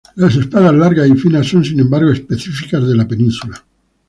Las espadas largas y finas son, sin embargo, específicas de la península.